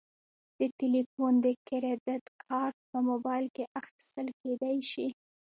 د تلیفون د کریدت کارت په موبایل کې اخیستل کیدی شي.